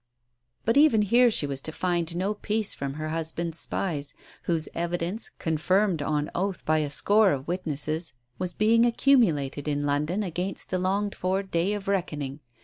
But even here she was to find no peace from her husband's spies, whose evidence, confirmed on oath by a score of witnesses, was being accumulated in London against the longed for day of reckoning.